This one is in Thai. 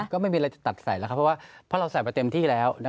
ก็ไม่มีอะไรจะตัดใส่คือเราใส่ไปเต็มที่แล้ว